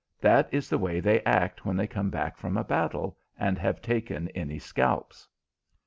That is the way they act when they come back from a battle and have taken any scalps."